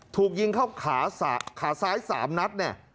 ถูกยิงเข้าขาซ้าย๓นัดเนี่ย